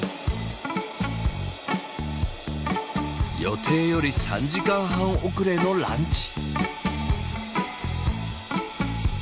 予定より３時間半遅れのランチ。